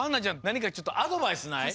なにかちょっとアドバイスない？